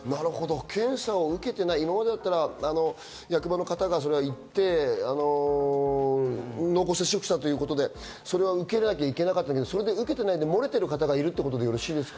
検査を受けていない、今までだったら役場の方が行って濃厚接触者ということで受けなきゃいけなかったけど受けてなくて、漏れてる方がいるということでよろしいですか？